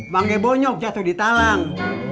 bang gebo nyok jatuh di talang